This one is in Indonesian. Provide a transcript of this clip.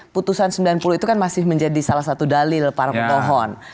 putusan sembilan puluh itu kan masih menjadi salah satu dalil para pemohon